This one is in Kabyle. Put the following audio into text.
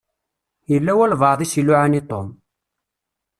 Yella walebɛaḍ i s-iluɛan i Tom.